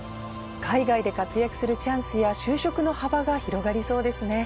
海外で活躍するチャンスや就職の幅が広がりそうですね。